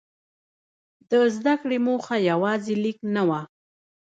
د زده کړې موخه یوازې لیک نه وه.